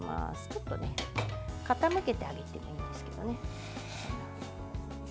ちょっと傾けてあげるといいんですね。